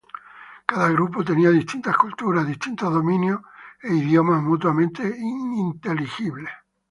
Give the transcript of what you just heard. Cada grupo tenía distintas culturas, distintos dominios e idiomas mutuamente ininteligibles.